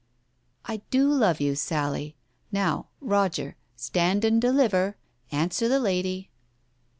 " I do love you, Sally. ... Now, Roger, stand and deliver. Answer the lady."